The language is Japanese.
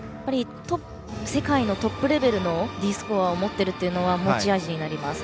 世界のトップレベルのＤスコアを持っているのが持ち味になります。